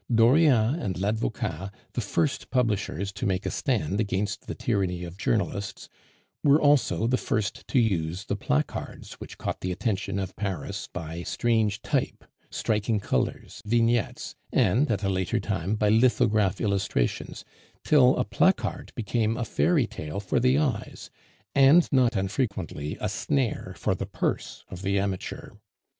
Dauriat and Ladvocat, the first publishers to make a stand against the tyranny of journalists, were also the first to use the placards which caught the attention of Paris by strange type, striking colors, vignettes, and (at a later time) by lithograph illustrations, till a placard became a fairy tale for the eyes, and not unfrequently a snare for the purse of the amateur.